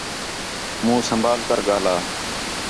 مُون٘ھ سنبھال کر ڳاہلا